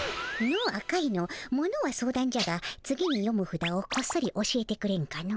ものは相談じゃが次に読むふだをこっそり教えてくれんかの。